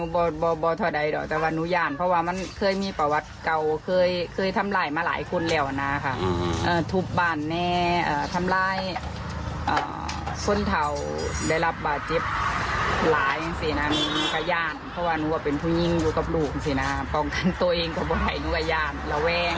บาปกับบ่าบ่าคือคนอื่นก็คือบาป๖มีตร